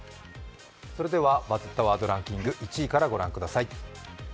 それでは「バズったワードランキング」１位からご覧ください。